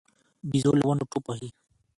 بيزو له ونو ټوپ وهي.